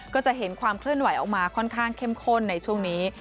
ก็จะเห็นความเคลื่อนไหวออกมาค่อนข้างเข้มข้นในช่วงนี้